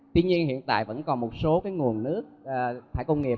tuy nhiên hiện tại vẫn còn một số nguồn nước thải công nghiệp